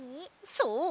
そう！